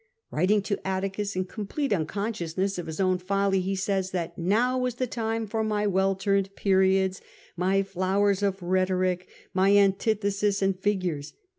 'Writing to Atticus in complete unconsciousness of his own folly, he says that " now was the time for my well turned periods, my flowers of rhetoric, my antitheses and figures.